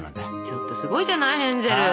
ちょっとすごいじゃないヘンゼル！